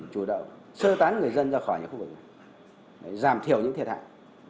chủ động sơ tán người dân ra khỏi những khu vực để giảm thiểu những thiệt hại